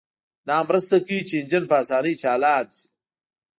دا مرسته کوي چې انجن په اسانۍ چالان شي